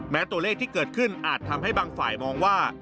ตัวเลขที่เกิดขึ้นอาจทำให้บางฝ่ายมองว่า